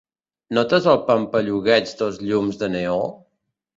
Notes el pampallugueig dels llums de neó?